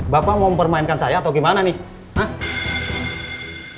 bapak mau mempermainkan saya atau gimana nih